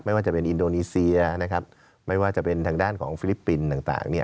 ว่าจะเป็นอินโดนีเซียนะครับไม่ว่าจะเป็นทางด้านของฟิลิปปินส์ต่างเนี่ย